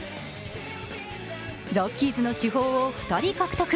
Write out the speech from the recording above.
ロッキーズの主砲を２人獲得。